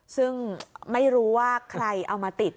ซึ่งไม่รู้ว่าใครเอามาติด